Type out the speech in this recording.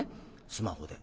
スマホで。